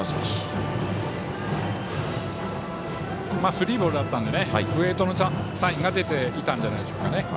スリーボールだったのでウエイトサインが出ていたんじゃないでしょうか。